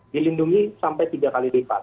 dilindungi sampai tiga kali lipat